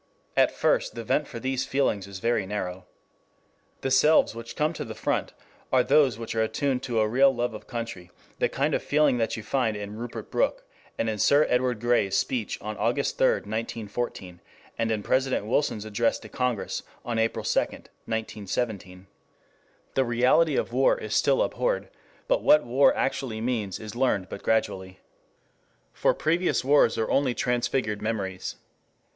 At first the vent for these feelings is very narrow. The selves which come to the front are those which are attuned to a real love of country, the kind of feeling that you find in Rupert Brooke, and in Sir Edward Grey's speech on August 3,1914, and in President Wilson's address to Congress on April 2, 1917. The reality of war is still abhorred, and what war actually means is learned but gradually. For previous wars are only transfigured memories.